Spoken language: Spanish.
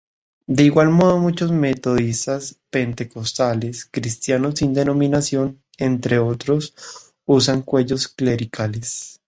De igual modo muchos Metodistas, Pentecostales, Cristianos sin denominación, entre otros, usan cuellos clericales.